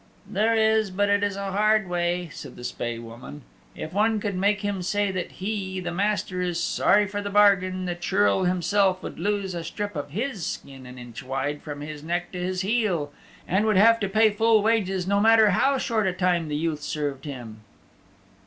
"There is, but it is a hard way," said the Spae Woman. "If one could make him say that he, the master, is sorry for the bargain, the Churl himself would lose a strip of his skin an inch wide from his neck to his heel, and would have to pay full wages no matter how short a time the youth served him."